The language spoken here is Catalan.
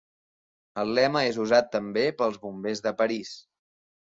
El lema és usat també pels bombers de París.